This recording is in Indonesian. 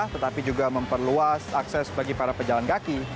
tetapi juga memperluas akses bagi para pejalan kaki